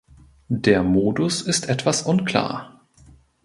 Der Modus ist etwas unklar.